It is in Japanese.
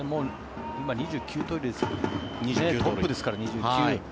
今、２９盗塁トップですから、２９。